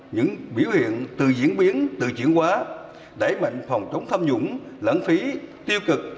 những biểu hiện từ diễn biến từ chuyển hóa đẩy mạnh phòng chống tham dũng lãng phí tiêu cực